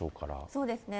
そうですね。